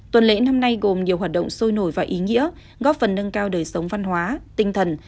tuần lễ năm nay gồm nhiều hoạt động sôi nổi và ý nghĩa góp phần nâng cao đời sống văn hóa tinh thần